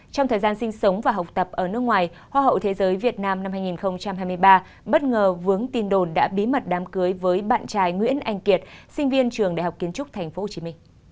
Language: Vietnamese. trong thời gian sinh sống và học tập ở nước ngoài hoa hậu thế giới việt nam năm hai nghìn hai mươi ba bất ngờ vướng tin đồn đã bí mật đám cưới với bạn trai nguyễn anh kiệt sinh viên trường đại học kiến trúc tp hcm